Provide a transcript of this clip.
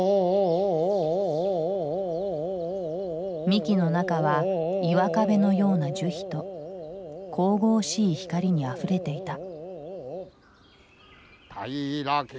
幹の中は岩壁のような樹皮と神々しい光にあふれていた。